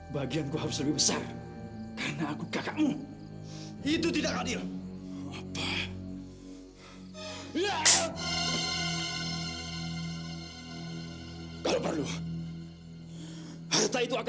sampai jumpa di video selanjutnya